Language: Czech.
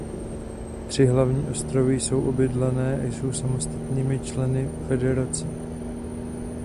Tři hlavní ostrovy jsou obydlené a jsou samostatnými členy federace.